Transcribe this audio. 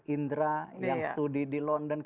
indra yang studi di london